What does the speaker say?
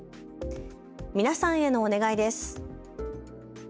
皆さんへのお願いです。